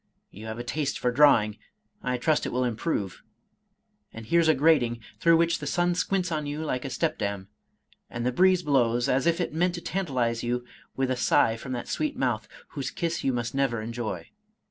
You have a taste for drawing — I trust it will improve. And here's a grating, through which the sun squints on you like a stepdame, and the breeze blows, as if it meant to tantalize you with a sigh from that sweet mouth, whose kiss you must never enjoy.